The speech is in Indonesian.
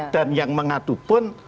dan yang mengadu pun